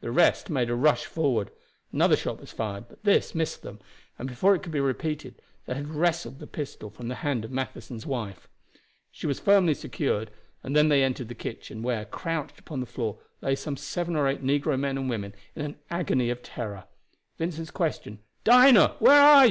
The rest made a rush forward. Another shot was fired, but this missed them, and before it could be repeated they had wrested the pistol from the hand of Matheson's wife. She was firmly secured, and they then entered the kitchen, where, crouched upon the floor, lay some seven or eight negro men and women in an agony of terror. Vincent's question, "Dinah, where are you?"